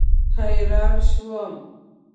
حیران شوم.